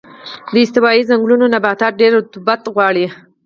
د استوایي ځنګلونو نباتات ډېر رطوبت غواړي.